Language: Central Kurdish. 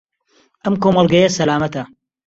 ئەم کۆمەڵگەیە سەلامەتە؟